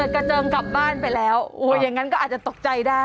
กระเจิงกลับบ้านไปแล้วอย่างนั้นก็อาจจะตกใจได้